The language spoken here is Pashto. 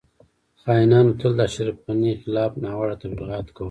خاینانو تل د اشرف غنی خلاف ناوړه تبلیغات کول